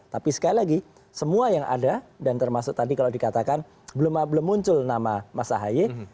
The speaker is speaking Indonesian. tapi sekali lagi semua yang ada dan termasuk tadi kalau dikatakan belum muncul nama mas ahy